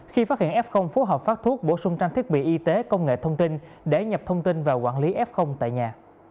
khi phát hiện f phối hợp phát thuốc bổ sung trang thiết bị y tế công nghệ thông tin để nhập thông tin và quản lý f tại nhà